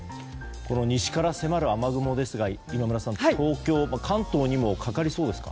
西から迫る雨雲ですが今村さん、東京、関東にもかかりそうですか。